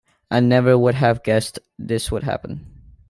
I never would have guessed this would happen.